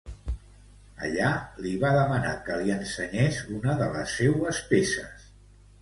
Allà li va demanar que li ensenyara una de les seues peces.